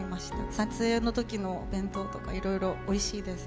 撮影のときのお弁当とか、いろいろおいしいです。